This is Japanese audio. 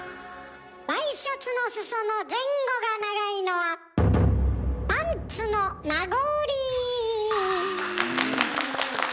ワイシャツの裾の前後が長いのはパンツの名残。